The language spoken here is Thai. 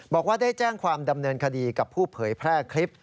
บอกว่าได้แจ้งความดำเนินคดีกับผู้เผยแพร่คลิป